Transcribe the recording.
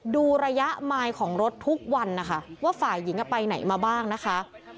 ดูระยะมายของรถทุกวันนะคะว่าฝ่ายหญิงไปไหนมาบ้างนะคะ